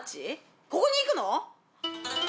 ここに行くの？